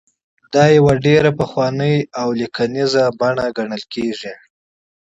دا یوه ډېره پخوانۍ او قلمي نسخه ګڼل کیږي.